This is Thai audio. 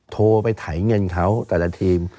โทรไปถ่ายเงินเขาแต่ละทีม